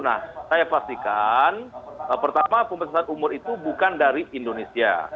nah saya pastikan pertama pembatasan umur itu bukan dari indonesia